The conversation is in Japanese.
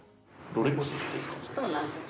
そうなんです。